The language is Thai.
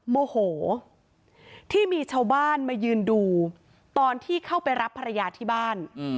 โมโหที่มีชาวบ้านมายืนดูตอนที่เข้าไปรับภรรยาที่บ้าน